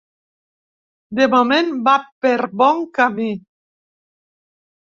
De moment va per bon camí.